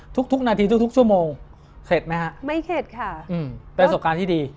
ทุกทุกนาทีทุกทุกชั่วโมงเข็ดไหมฮะไม่เข็ดค่ะอืมเป็นประสบการณ์ที่ดี